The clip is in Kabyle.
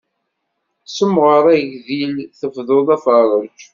Semɣer agdil, tebduḍ aferrej.